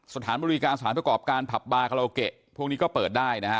สถานบริการสถานประกอบการผับบาคาราโอเกะพวกนี้ก็เปิดได้นะฮะ